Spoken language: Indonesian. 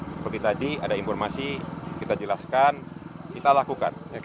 seperti tadi ada informasi kita jelaskan kita lakukan